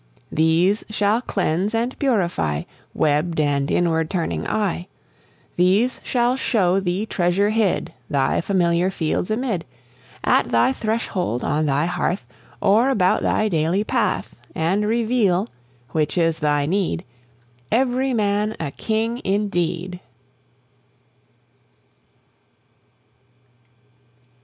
These shall cleanse and purify Webbed and inward turning eye; These shall show thee treasure hid, Thy familiar fields amid, At thy threshold, on thy hearth, Or about thy daily path; And reveal (which is thy need) Every man a King indeed!